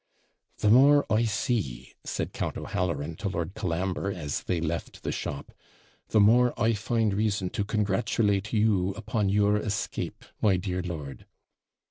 'The more I see,' said Count O'Halloran to Lord Colambre, as they left the shop, 'the more I find reason to congratulate you upon your escape, my dear lord.'